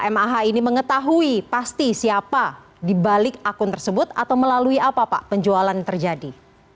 mah ini mengetahui pasti siapa dibalik akun tersebut atau melalui apa pak penjualan terjadi